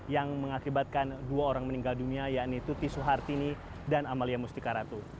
yang mengakibatkan dua orang meninggal dunia yaitu tuti suhartini dan amalia mustikaratu